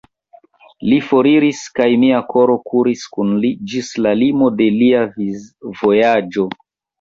Li foriris, kaj mia koro kuris kun li ĝis la limo de lia vojaĝo.